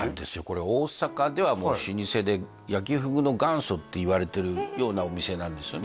これ大阪ではもう老舗で焼きふぐの元祖っていわれてるようなお店なんですよね